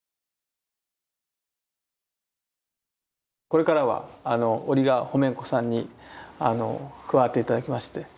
これからはオリガホメンコさんに加わって頂きまして。